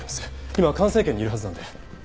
今環生研にいるはずなんで。